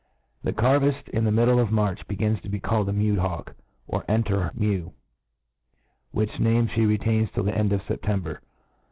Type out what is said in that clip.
The carvift, in the middle of March, begins to be called a Mewed Hawk, or Enter mew, which name fhe retains till the end of September.